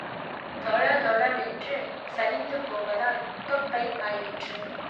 தொள தொள வென்று சரிந்து போவதால், தொப்பை ஆயிற்று.